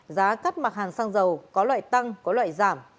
giá cắt mặt hàng xăng dầu có loại tăng có loại giảm